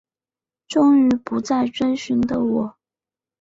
终于不再追寻的我